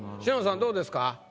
篠田さんどうですか？